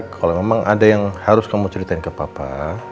kalau memang ada yang harus kamu ceritain ke papa